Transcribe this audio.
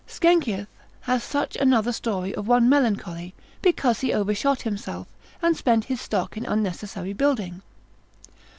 Sckenkius hath such another story of one melancholy, because he overshot himself, and spent his stock in unnecessary building.